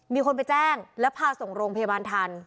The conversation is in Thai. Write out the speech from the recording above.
มีคนไปแจ้งแล้วพาส่งโรงพยาบาลทัน